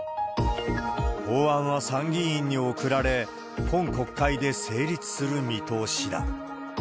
法案は参議院に送られ、今国会で成立する見通しだ。